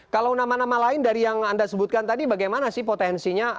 kalau nama nama lain dari yang anda sebutkan tadi bagaimana sih potensinya